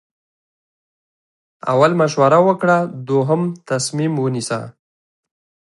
اول مشوره وکړه دوهم تصمیم ونیسه.